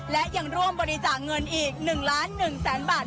และยังร่วมบริจาคเงินอีก๑ล้าน๑แสนบาท